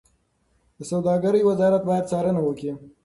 د سوداګرۍ وزارت باید څارنه وکړي.